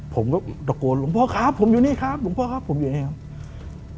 ผมก็ตะโกนหลวงพ่อครับผมอยู่นี่ครับหลวงพ่อครับผมอยู่นี่ครับ